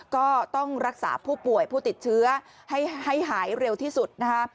ก็ต้องรักษาผู้ป่วยผู้ติดเชื้อให้หายเร็วที่สุดนะคะ